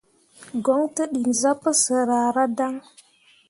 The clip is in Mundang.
Goŋ tǝ dii zah pǝsǝr ahradaŋ.